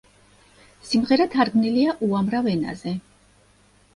სიმღერა თარგმნილია უამრავ ენაზე.